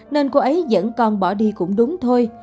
nên cô ấy dẫn con bỏ đi cũng đúng thôi